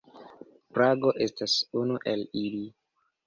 Prago estas unu el ili.